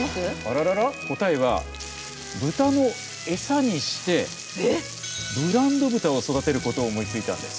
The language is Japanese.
答えは豚の餌にしてブランド豚を育てることを思いついたんです。